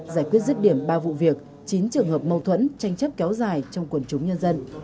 giải quyết rứt điểm ba vụ việc chín trường hợp mâu thuẫn tranh chấp kéo dài trong quần chúng nhân dân